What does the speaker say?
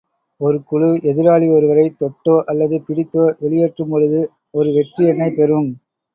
ஒரு குழு, எதிராளி ஒருவரைத் தொட்டோ அல்லது பிடித்தோ வெளியேற்றும்பொழுது, ஒரு வெற்றி எண்ணைப் பெறும்.